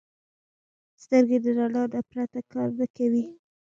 سترګې د رڼا نه پرته کار نه کوي